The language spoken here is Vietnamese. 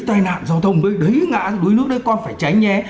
tai nạn giao thông đấy ngã đuối nước đấy con phải tránh nhé